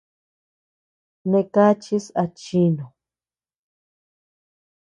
Nee kachis achinu.